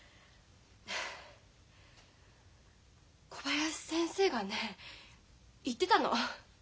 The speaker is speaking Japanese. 小林先生がね言ってたの。